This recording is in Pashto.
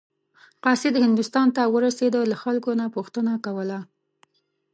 قاصد هندوستان ته ورسېده له خلکو نه پوښتنه کوله.